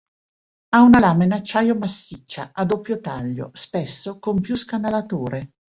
Ha una lama in acciaio massiccia, a doppio taglio, spesso con più scanalature.